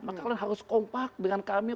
maka kalian harus kompak dengan kami